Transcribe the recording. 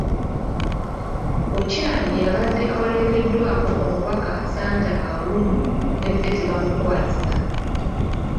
Ochan yabadde awerekeddwako omubaka Santa Alum ne Betty Bamukwatsa.